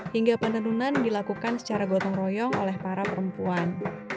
hingga penentunan dilakukan secara gotong royong oleh para perempuan